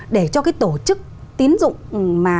để cho cái tổ chức tín dụng mà